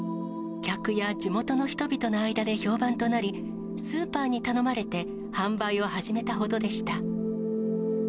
客や地元の人々の間で評判となり、スーパーに頼まれて販売を始めたほどでした。